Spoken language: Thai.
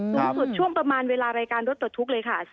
สูงสุดช่วงประมาณเวลารายการรถปลดทุกข์เลยค่ะ